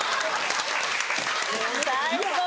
最高！